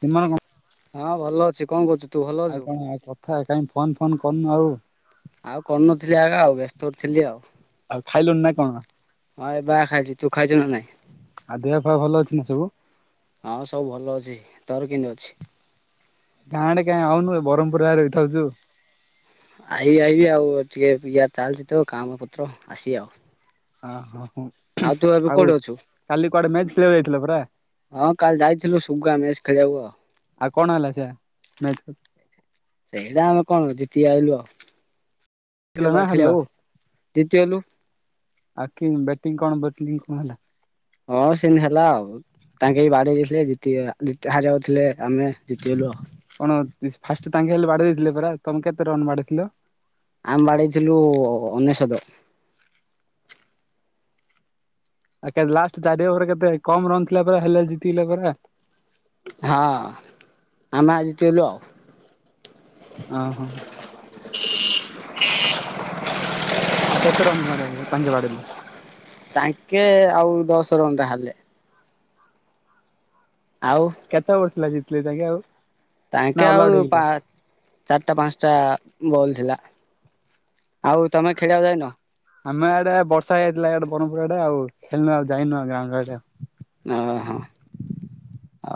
[unintelligible] କଣ? ହଁ ଭଲ ଅଛି କଣ କରୁଛୁ? ତୁ ଭଲ ଆଉ ଅଛୁ? କଣ ଆଉ କଥା କାହିଁ ଫୋନ୍ ଫୋନ୍ କରନୁ ଆଉ? ଆଉ କରୁନଥିଲି ଆଗା ଆଉ ବ୍ୟସ୍ତ ଥିଲି ଆଉ। ଆଉ ଖାଇଲୁଣି ନା କଣ? ହଁ ଏବେ ବା ଖାଇଲି ତୁ ଖାଇଛୁ ନା ନାଇଁ? ଆଉ ଦେହ ପା ଭଲ ଅଛି ନା ସବୁ? ହଁ ସବୁ ଭଲ ଅଛି ତୋର କେମିତି ଅଛି? ଗାଁଡେ କାଁ ଆଉନ୍ନୁ ଏବହ୍ମପୁର ଆରେ ରହି ଯାଉଛୁ। ଆଇ ଆଇିବି ଆଉ ଟିକେ ଇୟ ଚାଲିଛି ତ କାମ ପତ୍ର ଆସିବି ଆଉ। ଓ ହୋ ହୋ ଆଉ ତୁ ଏବେ ଆଉ କୋଉଠି ଅଛୁ କାଲି କୁଆଡେ ମ୍ୟାଚ୍ ଖେଳିବାକୁ ଯାଇଥିଲା ପରା? ହଁ କାଲି ଯାଇଥିଲୁ ସୁଗା ମ୍ୟାଚ୍ ଖେଳିବାକୁ ଆଉ। ଆଉ କଣ ହେଲା ସେ ମେଚେ? ସେଇଟା ଆମେ କଣ ଜିତିକି ଆଇଲୁ ଆଉ। ଜିତିଲ ନା ପରା ହାରିଲ। ଖେଳିବାକୁ ଜିତିଗଲୁ [unintelligible] ହଁ ସେନ ହେଲା ଆଉ। ତାଙ୍କେ ବି ବାଡ଼ି ଯାଇଥିଲେ ଜତି ଜ ହାରିବା ଯାଉଥିଲେ ଆମେ ଜିତିଗଲୁ ଆଉ। କଣ ଫାଷ୍ଟ ତାଙ୍କେ ହେଲେ ବାଡି ଦେଇଥିଲେ ପରା ତମେ କେତେ ରନ୍ ବାଡିଥିଲ। ଆମେ ବାଡେଇଥିଲୁ ଅନେଶତ। ଲାଷ୍ଟ ଚାରି ଅଭରେ କେତେ କମ ରନ୍ ଥିଲା ପରା ହେଲେ ଜିତିଗଲା ପରା। ହଁ ଆମେ ଜିତିଲୁ। ଓହୋ [inaudible] [inaudible] କେତେ ରନ୍ ବା ତାଙ୍କେ ବାଡ଼େଇଲେ। ତାଙ୍କେ ଆଉ ଦଶ ରନ୍ ଟା ହେଲେ। ଆଉ କେତେ ଓଭର ଥିଲା ଜିତିଲେ ତାଙ୍କେ ଆଉ ନା ତାଙ୍କେ ଅଲ ଆଉଟ୍ ଆଉ ପା ହେଇଗଲେ? ଚାରିଟା ପାଞ୍ଚଟା ବଲ ଥିଲା ଆଉ ତମେ ଖେଳିବାକୁ ଯାଇନ। ଆମେ ଆଡେ ବର୍ଷା ହେଇଥିଲା ଏଆଡେ ବ୍ରହପୁର ଆଡେ ଆଉ ଖେଳୁ ଆଉ ଯାଇନୁ ଆ ଗାଁ ଗରେ ଆଡେ। ଓହୋ।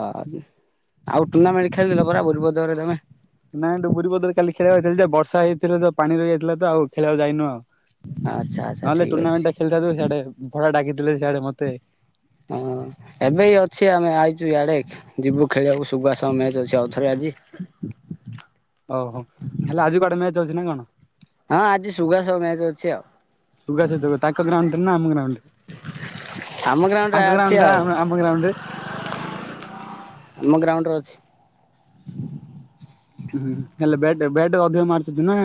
ଓହୋ ଆଉ ଟୁର୍ଣ୍ଣାମେଣ୍ଟ ଖେଳିଦେ ପରା ବୁିବଦରେ ତମେ। ନାଇଁଠୁ ପୁରୀ ପଦରେ କାଲି ଖେଳିବା ହେଇଥିଲା ଯେ ବର୍ଷା ହେଇଥିଲା ତ ପ ପାଣି ରହି ଯାଇଥିଲା ତ ଆଉ ଖେଳିବାକୁ ଯାଇନୁ ଆଉ। ଆଚ୍ଛା ଆଚ୍ଛା ନହେଲେ ଠିକ୍ ଅଛି ଟୁର୍ଣ୍ଣାମେଣ୍ଟ ଟା ଖେଳିଥିବୁ ସେଆଡେ ଭଡା ଡାକିଥିଲେ ସେଆଡେ ମତେ। ହଁ ଏବେ ଅଛି ଆମେ ଆଇଛୁ ଇଆଡ଼େ। ଯିବୁ ଖେଳିବାକୁ ଶୁବାସ ମ୍ୟାଚ ଅଛି ଆଉ ଥରେ ଆଜି। ଓ ହୋ ହେଲେ ଆଜି କୁଆଡେ ମ୍ୟାଚ ଅଛି ନାଇଁ କଣ? ହଁ ଆଜି ସୁବାସ ମ୍ୟାଚ ଅଛି ଆଉ। ତୁ କ ତାଙ୍କ ଗ୍ରାଉଣ୍ଡରେ ଆମ ଗ୍ରାଉଣ୍ଡ। ଆମ ଗ୍ରାଉଣ୍ଡରେ ଆଙ୍କ ଅଛି ଗ୍ରାଉଣ୍ଡ ଆଉ ଆମ ଗ୍ରାଉଣ୍ଡରେ। ଆମ ଗ୍ରାଉଣ୍ଡରେ ଅଛି। ହୁଁ ହେଲା ବେଟ ବେଟ ଅଧିକ ମାରିଛି ନା।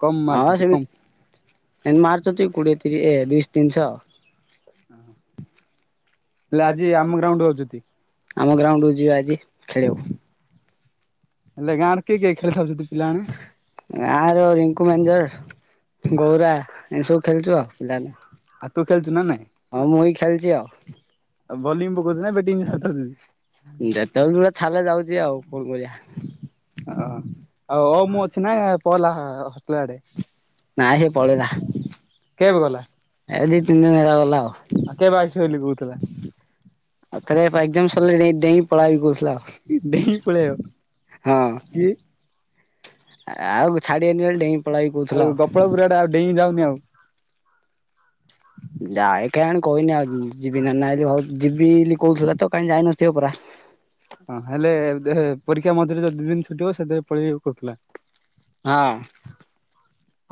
କମ୍ ହଁ ମାରୁଛନ୍ତି କମ୍ ସେମିତି ଏ ମାର୍ଚଛି କୋଡିଏ ତିରି ଦୁଶ ତିନିଶହ। ହେଲେ ଆଜି ଆମ ଆମ ଗ୍ରାଉଣ୍ଡକୁୁ ଯିବା ଆଜି ଖେଳିବାକୁ। ହେଲେ ଗାଁରେ କିଏ କିଏ ଖେଳିଥାଉଛନ୍ତିୁ ପିଲାମାନେ। ଗାଁ ର ରିଙ୍କୁ ମ୍ୟାନେଜର। ଗୌରା ଏ ସବୁ ଖେଳୁଛୁ ଆଉ। [unintelligible] ଆଉ ତୁ ଖେଳୁଛୁ ନା ନାଇଁ? ହଁ ମୁଁ ଇ ଖେଳିଛି ଆଉ। ଉ ବୋଲିଂ ପକଉଥିଲା ନା ବ୍ୟାଟିଂ। [unintelligible] ଯେତେବେଳେ [unintelligible] ଯାଉଛି ଆଉ କଣ କରିଆ। ହଁ ହଉ ହଉ ମୁଁ ଅଛି ନା ପହିଲା [unintelligible] ଆଡେ। ନା ସେ ପଳେଇଲା କିଏ କେବେ ଗଲା ପଳେଇଲା ଏ ଦି ତିନି ଦିନ ହେଲା ଗଲା ଆଉ। କେବେ ଆଇସ ବୋଲି କହୁଥିଲା। [unintelligible] ଆଉ ଥରେ ଏଗ୍ଜାମ ସରିଲା ଡେଇଁ ପଳେଇବି କହୁଥିଲା ଆଉ। ଡେଇଁ [unintelligible] ପଳେଇବ ହଁ। କି ଆଉ ଛାଡିବିନି ବେଳେ ଡେଇଁ ପଳେଇବି କହୁଥିଲା ଆଉ।। [unintelligible] ପୁରାଟା ଆଉ ଡେଇଁ ଯାଉନି ଆଉ। ଯାଏ କାଁ କ କହିହନି ଆଉ ଯିବି ନା ନାଇଁ ଯିବି ବୋଲି କହୁଥିଲା ତ କାଁ ଯାଇନଥିବ ପୁରା। ହଁ ହେଲେ ପରୀକ୍ଷା ମଝିରେ ଦି ଦିନ ଛୁଟିଥିବ ସେଥିବେଳେ ପଳେଇବି କହୁଥିଲା। ହଁ।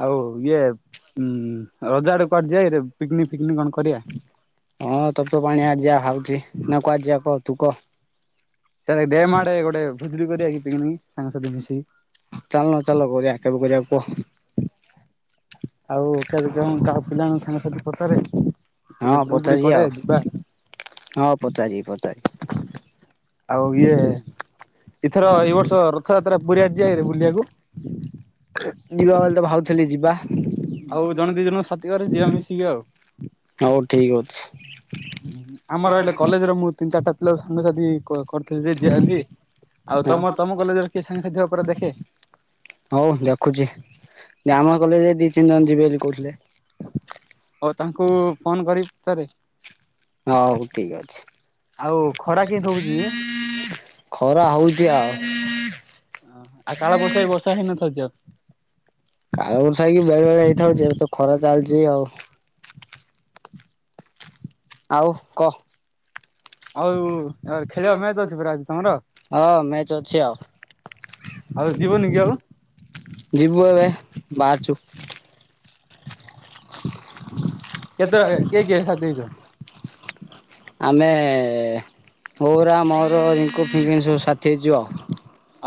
ଆଉ ଇଏ ଉଁ ରଜା ଆଡେ କୁଆଡେ ଯାଇରେ ପିକନିକ ଫିକନିକ କଣ କରିବା। ହଁ ତପ୍ତ ପାଣି ଆଜି ଆହୁତି ହଁ ନା କୁଆଡେଯିବା କହ ତୁ କହ। ସାର ଡେଡ ଆଡେ ଗୋଟେ ଭୁଜିଟେ କରିବାକି ପିକିନିକି ସାଙ୍ଗସାଥି ମିଶିକି? ଚାଲୁନ ଚାଲ କରିବା କେବେ କରିବାକୁ କୁହ। ଆଉ [unintelligible] ପିଲାଙ୍କ ସାଙ୍ଗ ସାଥିଙ୍କୁ ପଚାରେ। ହଁ ଗୋଟେ ଗ୍ରୁପ ଟେ ପଚାରିବା କରେ ଆଉ ଯିବା। ହଁ ପଚାରିବି ପଚାରିବି। ଆଉ ଇଏ ଏଥର ଏଇ ବର୍ଷ ରଥଯାତ୍ରା ପୁରୀ ଆଡେ ଯିବାକିରେ ବୁଲିବାକୁ। ଯିବା ବୋଲିତ ଭାବଥିଲି ଯିବା। ହୋଉ ଆଉ ଜଣେ ଜଣ ସାଥି ଦି କରି ଯିବା ଜଣଙ୍କୁ ମିଶିକି ଆଉ ଠିକ କର ବୁଲିବାକୁ ଏଥି ଯିବା। [unintelligible] ଆମର ଏଇଲେ କଲେଜ ର ମୁ ତିନି ଚାରିଟା ପିଲା ସାଙ୍ଗସାଥି କର କର ଯି ଯିଆଲି ଆଉ ତମ ତମ କଲେଜର କିଏ ସାଙ୍ଗସାଥିର ଉପରେ ଦେଖେ? ହୋଉ ଦେଖୁଛି ଗାଉଁଆ କଲେଜରେ ଦି ତିନି ଜଣ ଯିବେ ବୋଲି କହୁଥିଲେ। ହୋଉ ତାଙ୍କୁ ଫୋନ କରି ପଚାରେ। ହଉ ଠିକ ଆଉ ଖରା କେମିତି ହଉଛି ଯେ ଅଛି। ଖରା ହୋଉଛି ଆଉ। ଆଉ କାଳ ବ୍ୟୈଶାକ୍ଷୀ ବର୍ଷା ହେଇନଥିଲା ଆଜି ଆଉ? ଆଉ ସାଇକି ବେଳେ ବେଳେ ହେଇଥାଉ ଯେହେତୁ ଖରା ଚାଲିଚଛି ଆଉ। ଆଉ କହ। ଆଉ ଆ ଖେଳିବା ମ୍ୟାଚ ଅଛି ପରା ଆଜି ତମର? ହଁ ମ୍ୟାଚ ଅଛି ଆଉ। ଆଉ ଯିବନି କି ଆଉ ଯିବୁ ଏବେ ବାହାରାରୁଛୁ। କେତେବେଳେ କିଏ କିଏ ସାଥ ଦେଇଛ? [inaudible] ଆମେ ପୁଅର ମୋର ରିଙ୍କୁ ଫିଙ୍କି ସବୁ ସାଥି ହେଇଯିବୁ ଆଉ।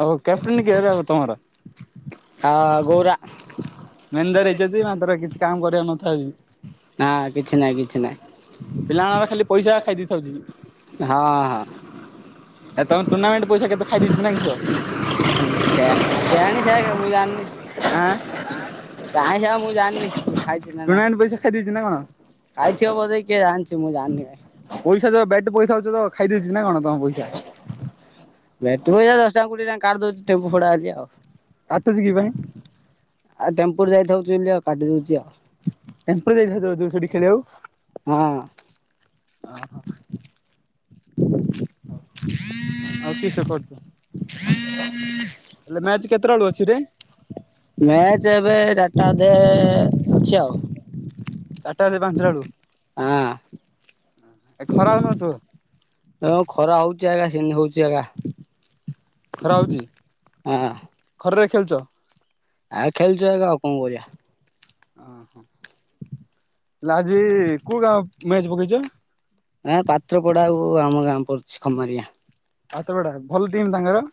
ଆଉ କ୍ୟାପ୍ଟେନ କିଏ ହେବବେ ତୁମର? ଆ ଗୌରା। ମେନ୍ଦର ହେଇଛନ୍ତି ମାତ୍ର କିଛି କାମ କରିବା ନା କିଛି ନାହିଁ କିଛି ନାହିଁ ନଥାନ୍ତି। ପିଲାମାନେ ଖାଲି ପଇସା ଖାଇ ଦେଇଥାଉଛି। ହଁ ହଁ ଏ ତମ ଟୁର୍ଣ୍ଣାମେଣ୍ଟ ପଇସା କେତେ ଖାଇ ଦେଇଛି ନାଇଁ କିଷ। ଯା ଜାଣି ସାରିଲୁଣୁ ମୁଁ ଆଁ ଜାଣିନି କାହିଁକି ନା ମୁଁ ଜାଣିନୀ ଖାଇଛି ନା ନାହିଁ ଖାଇ ଦେଇଛି ନା କଣ? ଖାଇଥିବ ବୋଧେ କିଏ ଜାଣିଛି ମୁଁ ଜାଣିନି ଭାଇ। ପଇସା ଯ ବେଟ୍ ପଇସା ଯୋଉଟା ଖାଇ ଦେଇଛି ନା କଣ ତମ ପଇସା? ବ୍ୟାଟ୍ ପଇସା ଦଶ ଟଙ୍କା କୋଡିଏ ଟଙ୍କା କାଢି ଦେଉଛି ଟେମ୍ପୁ ଫଡା ଆଜି ଆଉ। କାଟୁଛି କି ପାଇଁ? ଆଉ ଟେମ୍ପୁରୁ ଯାଇଥାଉଛି ବୋଲି ଆଉ କାଟି ଦୋଉଛି ଆଉ। ଟେମ୍ପୁରେ ଯାଇ ଥାଅ ଥ କି ସେଠି ଖେଳିବାକୁ? ହଁ। ଆଉ କିସ କରୁଛୁ। ହେଲେ ମ୍ୟାଚ କେତେ ବଳ ଅଛି ରେ? ମ୍ୟାଚ୍ ଏବେ ଚାରିଟା ଅଧେ ଅଛି ଆଉ। ଚାରିଟା ବେଳେ ପାଞ୍ଚଟା ବେଳୁ ହଁ। ଏ ଖରା ହୋଉନଥିବ? ତ ଖରା ହୋଉଛି ଆଜ୍ଞା ସେମିତି ହୋଉଛି ଆଗା। ଖରା ହେଉଛି। ହଁ। ଖରାରେ ଖେଳଛ? ଆଉ ଖେଳଚୁ ଏକା ଆଉ କଣ କରିବା। ଲାଜେଇ କୋଉ ଗାଁ ମ୍ୟାଚ ପକେଇଚ। ଏ ପାତ୍ରପଡାକୁ ଆଉ ଆମ ଗାଁ ପଡଚି ଖମାରିଆ। ପାତ୍ରପଡ଼ା ଭଲ ଟିମ୍ ତାଙ୍କର?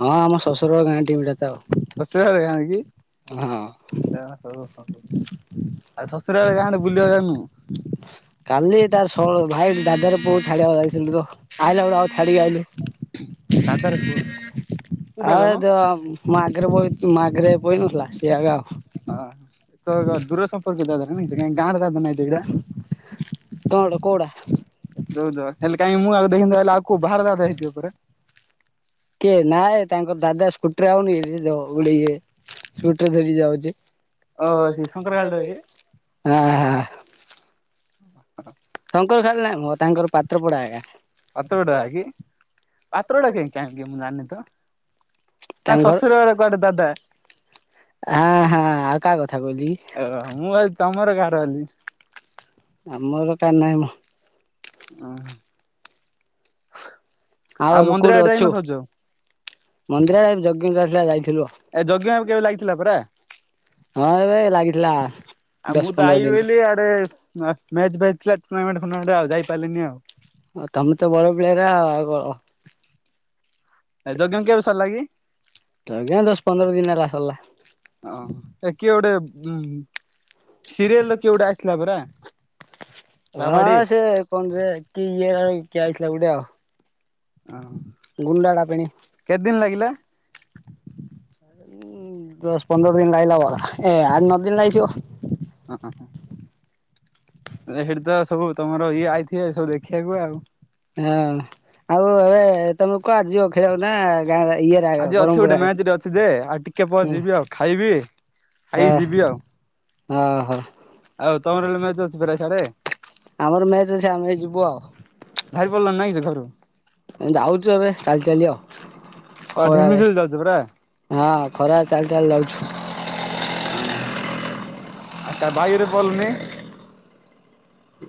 ହଁ ଆମ ଶଶୁର ଗାଁ ଟିମଟା ତ ଆଉ। ଶଶୁର ଘର ଗାଁ କି? ହଁ। ଆ ହୋଉ ହୋଉ ଆଉ ଶଶୁର ଘର ଗାଁ ଆଡେ ବୁଲିବାକୁ ଯାଉନୁ? କାଲି ତାର ଶରଳ ଭାଇ ଦାଦାର ପୁଅକୁ ଛାଡିବାକୁ ଯାଇଥିଲୁ ତ ଆଇଲା ବେଳୁ ଆଉ ଛାଡିକି ଆଇଲୁ। ଦାଦାର ପୁଅ। ତୁ ଦାଦା ଆଉ ମ ଯୋଉ ମୋ ଆଗରେ ବଇ ମୋ ଆଗରେ ବଇନଥିଲା ସିଏ ଆଗା। ହଁ ତ ଦୂର ସମ୍ପର୍କ ଦାଦାଟା ନାକି ଗାଁର ଦାଦା ନାଇଁ ତ ଏଗିଡା। କଣ ଲୋ କୋଉଡା? ଯୋଉ ତ ହେଲେ କାଇଁକି ମୁଁ ଆଗ ଦେଖିନି ତ ହେଲେ ଆଉ କୋଉ ବାହାର ଯାଗାଟା ହେଇଥିବ ପରା। କିଏ ନାଇଁ ତାଙ୍କର ଦାଦା ସ୍କୁଟିରେ ଆଉନି କି ସିଏ ଯୋଉ ଗୋଟେ ଇଏ ସ୍କୁଟି ଧରିକି ଯାଉଚି ହାଁ ହାଁ। ଶଙ୍କର ଖାଲି ନାଇଁମ ତାଙ୍କର ପାତ୍ରପଡା ଏକା। ପାତ୍ରପଡ଼ା କି ପାତ୍ରପଡ଼ା କି କାହିଁକି ମୁଁ ଜାଣିନି ତ। ନା ଶଶୁର ଘର କୁଆଡେ ଦାଦା। ଆଁ ହାଁ ଆଉ କା କଥା କୋହୁଚି କି। ଅ ମୁଁ ଭାବୁଚି ତମର କାହାର ବୋଲି। ଆମର କାର ନାହିଁମ। ଅହଁ। ଆଉ ଏବେ ମନ୍ଦିର କୋଉଠି ଆଡେ ଅଛୁ? ଯାଇନଥଛୁ ମନ୍ଦିରରେ ଯଗିଙ୍ଗ କରିଥିଲା ଯାଇଥିଲୁ। ଏ ଯଜ୍ଞ କେବେ ଲାଗିଥିଲା ପରା ହଁ ଏବେ ଲାଗିଥିଲା। ଆଉ ଦଶ ମୁଁ ତ ପନ୍ଦର ଆଇବି ଦିନ ବୋଲିି ଆଡେ ମ୍ୟାଚ ଫାଚ ଥିଲା ଟୁର୍ଣ୍ଣାମେଣ୍ଟ ଫୁର୍ଣ୍ଣାମେଣ୍ଟ ଆଉ ଯାଇପାରିଲିନି ଆଉ। ଅ ତମେ ତ ବଡ ପ୍ଲେୟାର ଆଉ କଣ। [unintelligible] ଯଜ୍ଞ କେବେ ସରିଲା କି ଦଶ ପନ୍ଦର ଦିନ ହେଲା ସରଲା। ଅଁହଁ କିଏ ଗୋଟେ ଉଁହୁଁ। ସିରିଏଲର କିଏ ଗୋଟିଏ ଆସିଥିଲା ପରା ବାବାଡି। ହଁ ସେ କଣ ଯେ କି ଇଏ ହେଇ କିଏ ଆଇଥିଲା ଗୋଟେ କ୍ୟାଚ ଆଉ। ଅ ଗୁଣ୍ଡାଟା ପେଣି। କେତେ ଦିନି ଲାଗିଲା? ଉଁ ଦଶ ପନ୍ଦର ଦିନ ଲାଇଲା ପରା ଏ ଆଠ ନଅ ଦିନ ଲାଗିଥିବ। ଅହଁ। ହେଇଠି ତ ସବୁ ତମର ଇଏ ଆଇଥିବେ ସବୁ ଦେଖିବାକୁ ଆଉ। ହଁ ଆଉ ଏବେ ତମେ କୁଆଡେ ଯିବ ଖେଳି ବାକୁ ନା ଗାଁରା ଇଏରା ଆଜି ଅଛି ଗୋଟେ ମ୍ୟାଚରେ ଅଛି ଯେ ଆଉ ଟିକେ ହୁଁ ପରେ ଯିବି ଆଉ ଖାଇବି। ହ ଖାଇକି ଯିବି ଆଉ। ଓହୋ। ଆଉ ତମର [unintelligible] ମ୍ୟାଚ ଅଛି ପରା ସ୍ୟାଡେ। ଆମର ମ୍ୟାଚ ଅଛି, ଆମେ ଯିବୁ ବାହାରି ପଡିଲଣି ଆଉ। ନାଇଁ କି ଘରୁ? ଯାଉଚୁ ଏବେ ଚାଲି ଚାଲି ଆଉ। ଖରାରେ। [unintelligible] ଯାଉଚ ପୁରା। ହଁ ଖରାରେ ଚାଲି ଚାଲି ଯାଉଛୁ। ଅ ତା ବାଇକ୍ ରେ ପଲେନି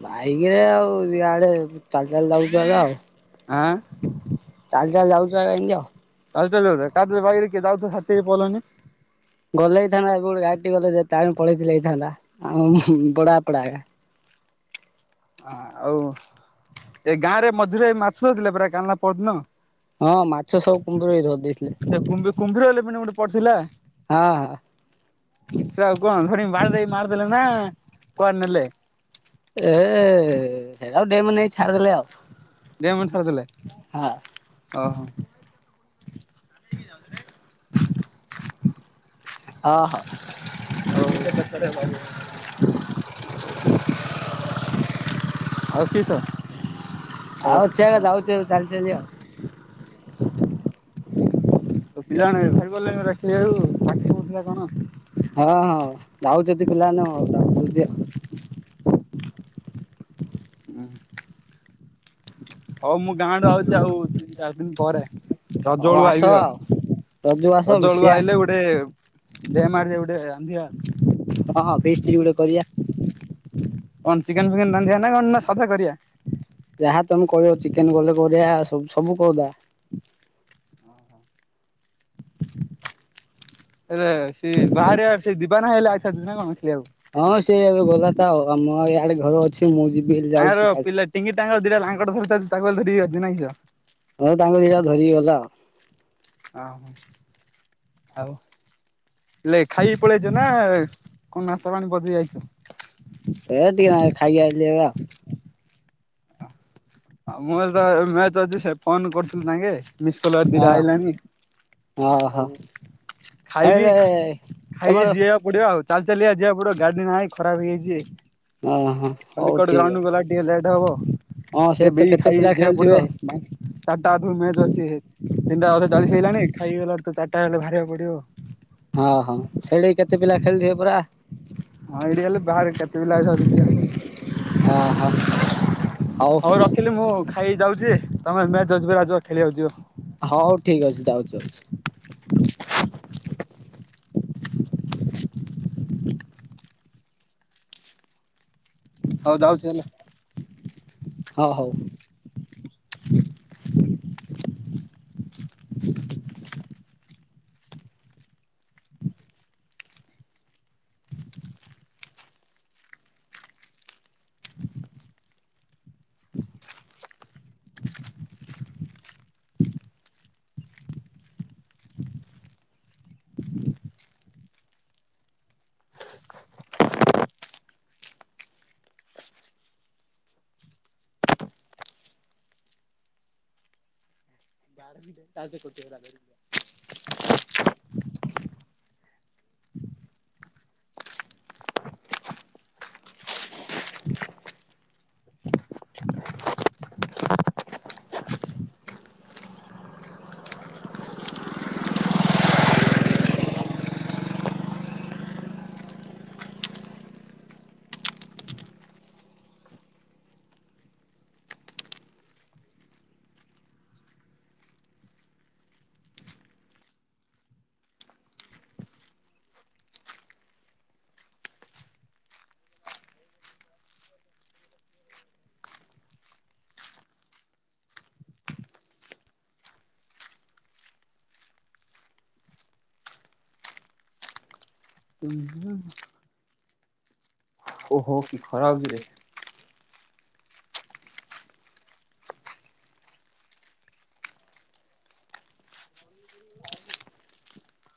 ବାଇକ୍ ରେ ଆଉ ଇଆଡେ ଚାଲି ଚାଲି [unintelligible] ଆଁ ଚାଲି ଚାଲି ଯାଉଛି [unintelligible] ଚାଲି ଚାଲି ଯାଉଚ କାହାଥିରେ ବାଇକ୍ ରେ ଯାଉଥିବ ସାଥି ହେଇ ପଳେଇଲନି। ଗଲେ ହେଇଥାନ୍ତା ଏବେ ଗୋଟେ ଗାଡି ଗଲେ ତା ପଳେଇ ଥିଲେ ହେଇଥାନ୍ତା ଆଉ ବଡା ପଡା। ଆଉ ଏ ଗାଁ ରେ ମଝିରେ ମାଛ ଧରୁଥିଲେ ପରା କାଲି ନା ପହରଦିନ। ହଁ ମାଛ ସବୁ କୁମ୍ଭୀର ଭାଇ ଧରି ଦେଇଥିଲେ ସେ କୁ କୁମ୍ଭୀର ବଲେ ଗୋଟେ ପଡିଥିଲା। ହଁ। ସେଟାକୁ କଣ ଧରିକି ବାଡେଇ ମାରିଦେଲେ ନା କୁଆଡେ ନେଲେ। ଏ ସେଟାକୁ ଡେମ୍ ରେ ନେଇ କି ଛାଡିଦେଲେ ଆଉ। ଡେମ୍ ରେ ଛାଡିଦେଲେ ହଁ ଓହୋ। [unintelligible] ହଁ ହଉ ଓହ ହଉ ଆଉ କିସ୍? ଆଉ ଚେ ଯାଉ ଚେ ଚାଲି ଚାଲି ଆଉ। [unintelligible] ହଁ ହଁ ଯାଉଛନ୍ତି ପିଲାମାନେ ଆଉ ଡାକୁଚନ୍ତି ଆଉ। ହଉ ମୁଁ ଗାଁରୁ ଆଉଛି ଆଉ ତିନି ଚାରି ଦିନ ପରେ ରଜ ହୋଉ ବେଳକୁ ଆଇବି ଆସ ଆଉ। ରଜ କୁ ଆସ ମିଶିଆ। ବେ ଡେମ୍ ଆଡେ ଯାଇ ରାନ୍ଧିବା। ହଁ ଫିଷ୍ଟ୍ରୀ ଗୋଟେ କରିବା। କଣ ଚିକେନ୍ ଫିକେନ୍ ରାନ୍ଧିବା ନା କଣ ନା ସାଧା କରିବା। ଯାହା ତମେ କହିବ ଚିକେନ୍ କଲେ କରିବା ସ ସବୁ କରିବା। ଓହୋ। ଆରେ ସେ ବାହାରେ ଆସେ ଯିବା ନା [unintelligible] ସେ ଖେଳିବାକୁ। ହଁ ସେଏ ଏବେ ଗଲା ତ ଆଉ ମୁଁ ଇଆଡେ ଘରେ ଅଛି। ମୁଁ ଯିବି ଏଇନା ତାଙ୍କର ପିଲା ଟିଙ୍କି ତାଙ୍କର ଦିଟାଙ୍କ ଧରିକି ଚାଲିଚି ତାକୁ ଧରି କି ଆସୁଚି ନା କିସ। ହଁ ତାଙ୍କ ଦିଇଟା ଧରିକି ଗଲା ଆଉ। ଓ ହୋ ଆଉ ହେଲେ ଖାଇକି ପଳେଇଆଇଚ ନା କଣ ନାସ୍ତା ପାଣି ବଜେଇ ଆଇଛ। ଏ ଟିକେ ନାକୁ ଖାଇକି ଆଇଲି ଏଵେ ଆଉ। ଆଉ ମୋତ ମ୍ୟାଚ ଅଛି ସେ ଫୋନ କରୁଥିଲି ତାଙ୍କେ। ମିସ୍ କଲ ଦିଟା ଓହୋ ଆଇଲାଣି ଓହୋ ଆଉ ଖାଇକି ହେଲେ ଖାଇକି ତମର ଯିବାକୁ ପଡିବ ଆଉ। ଚାଲି ଚାଲି କା ଯିବା ପଡିବ ଗାଡି ନାହିଁ ଖରାପ ହେଇଯାଇଛି। ଓହୋ ଆଉ ହଉ ଫଲିକଡ ଠିକ୍ ଗ୍ରାଉଣ୍ଡ ଅଛି। ଗଲାକୁ ଟିକେ ଲେଟ୍ ହବ। ହଁ ସେ ଟିକେ ତ ବି କେତେ ଖାଇ ପିଲା ଯିବାକୁ ଖେଳୁଥିବେ ପଡିବ ଆଉ। ଚାରିଟା ଆଠରୁ ମ୍ୟାଚ୍ ଅଛି ତିନଟା ଅଧେ ଚାଲିଶି ହେଇଗଲାଣି ଖାଇ ଗଲାକୁ ତ ଚାରିଟା ହେଲେ ବାହାରିବାକୁ ପଡିବ। ହଁ ହଁ ଛେଳି କେତେ ପିଲା ଖେଳୁଥିବେ ପରା। ହଁ ଏଇଠି ହେଲେ ବାହାରେ କେତେ ପିଲା ଅଛନ୍ତି ଦେଖିଆ ଓ ହୋ ହଉ ରଖିଲି ମୁଁ ଖାଇ ଯାଉଛି ତମେ ମେଚ୍ ଅଛି ପରା ଯ ଖେଳିବାକୁ ଯିବ। ହଉ ଠିକ୍ ଅଛି ଯାଉଛି ଯାଉଛି। ହଉ ଯାଉଛି ହେଲେ ହଁ ହଉ। [unintelligible] [unintelligible] [unintelligible] [unintelligible] [unintelligible] ହ [inaudible] ଓହୋ କି ଖରାହଉଛି ରେ।